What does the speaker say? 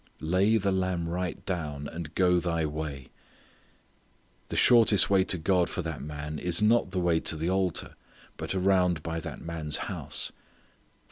"Lay the lamb right down, and go thy way." The shortest way to God for that man is not the way to the altar, but around by that man's house.